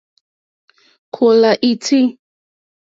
Kólà ítí.